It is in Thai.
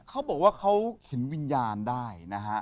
เขาบอกว่าเขาเข็นวิญญาณได้นะฮะ